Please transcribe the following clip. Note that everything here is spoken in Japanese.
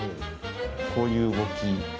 こういう動き